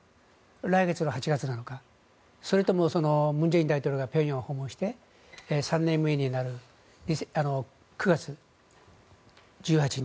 来月の８月なのかそれとも文在寅大統領が平壌を訪問して３年目になる９月１８日。